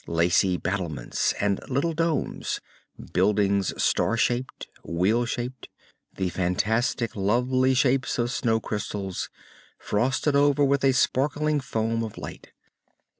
Lacy battlements and little domes, buildings star shaped, wheel shaped, the fantastic, lovely shapes of snow crystals, frosted over with a sparkling foam of light.